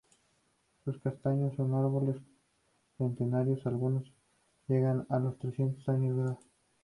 Sus castaños son árboles centenarios, algunos llegan a los trescientos años de edad.